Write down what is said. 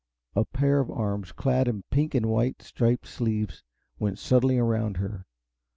A pair of arms clad in pink and white striped sleeves went suddenly about her.